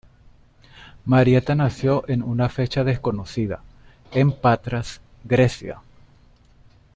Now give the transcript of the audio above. Marietta nació en una fecha desconocida en Patras, Grecia.